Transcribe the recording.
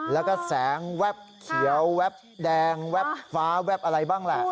แล้วก็แสงแวบเขียวแวบแดงแว๊บฟ้าแวบอะไรบ้างแหละ